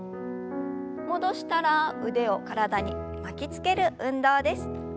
戻したら腕を体に巻きつける運動です。